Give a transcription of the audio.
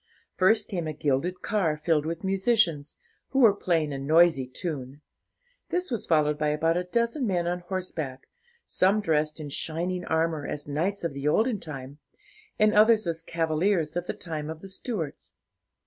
First came a gilded car filled with musicians, who were playing a noisy tune. This was followed by about a dozen men on horseback, some dressed in shining armour, as knights of the olden time, and others as cavaliers of the time of the Stuarts.